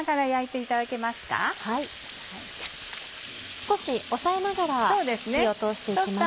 少し押さえながら火を通して行きます。